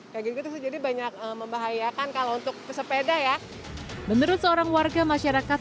kayak gitu jadi banyak membahayakan kalau untuk pesepeda ya menurut seorang warga masyarakat